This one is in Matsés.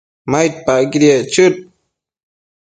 maidpacquidiec chëd